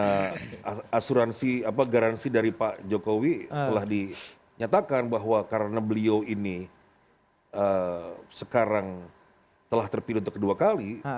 karena asuransi garansi dari pak jokowi telah dinyatakan bahwa karena beliau ini sekarang telah terpilih untuk kedua kali